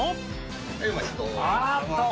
はい、お待ちどおさま。